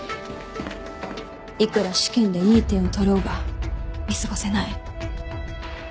いくら試験でいい点を取ろうが見過ごせない。